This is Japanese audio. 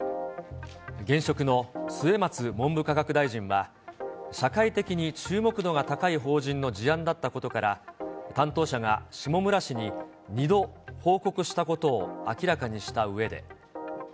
現職の末松文部科学大臣は、社会的に注目度が高い法人の事案だったことから、担当者が下村氏に２度報告したことを明らかにしたうえで。